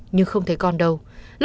nhưng không thấy con đâu